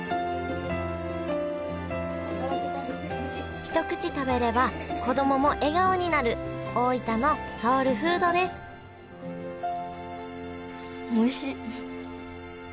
一口食べれば子供も笑顔になる大分のソウルフードですおいしっ！